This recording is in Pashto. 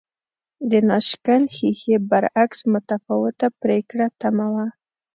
د ناشکن ښیښې برعکس متفاوته پرېکړه تمه وه